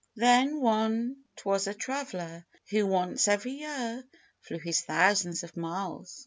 Then one w T as a traveller, who, once every year, Flew his thousands of miles.